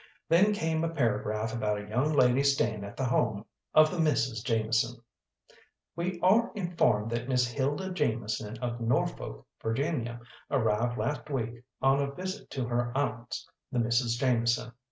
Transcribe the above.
Then came a paragraph about a young lady staying at the home of the Misses Jameson. "We are informed that Miss Hilda Jameson, of Norfolk, Va., arrived last week on a visit to her aunts, the Misses Jameson.